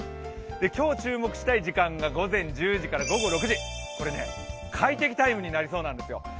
今日注目したい時間が午前１０時から午後６時、これね、快適タイムになりそうなんですよ。